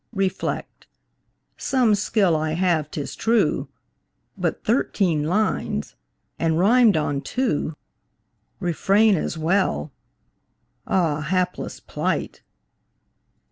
Reflect. Some skill I have, 'tis true; But thirteen lines! and rimed on two! "Refrain" as well. Ah, Hapless plight!